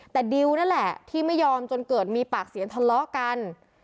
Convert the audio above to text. แต่ดิวนั่นแหละที่ไม่ยอมจนเกิดมีปากเสียงทะเลาะกัน